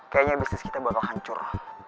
kayaknya bisnis kita bakal hancur